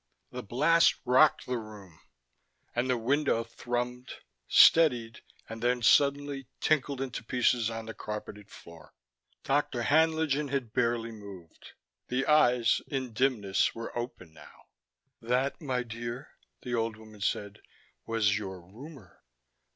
The blast rocked the room, and the window thrummed, steadied and then suddenly tinkled into pieces on the carpeted floor. Norma was standing erect. "What's that?" Dr. Haenlingen had barely moved. The eyes, in dimness, were open now. "That, my dear," the old woman said, "was your rumor."